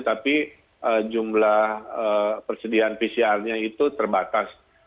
tapi jumlah persediaan pcr nya itu terbatas